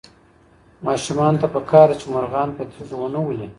ماشومانو ته پکار ده چې مرغان په تیږو ونه ولي.